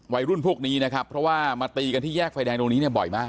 วัยรุ่นพวกนี้นะครับเพราะว่ามาตีกันที่แยกไฟแดงตรงนี้เนี่ยบ่อยมาก